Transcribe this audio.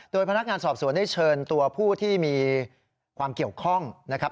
พนักงานสอบสวนได้เชิญตัวผู้ที่มีความเกี่ยวข้องนะครับ